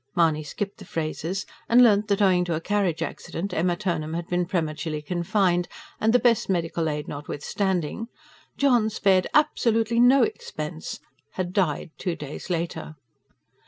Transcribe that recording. Mahony skipped the phrases, and learnt that owing to a carriage accident Emma Turnham had been prematurely confined, and, the best medical aid notwithstanding JOHN SPARED ABSOLUTELY "NO" EXPENSE had died two days later.